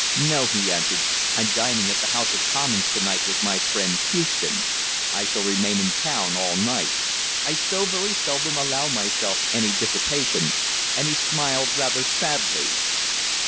"No," he answered. "I'm dining at the House of Commons to night with my friend Houston. I shall remain in town all night. I so very seldom allow myself any dissipation," and he smiled rather sadly.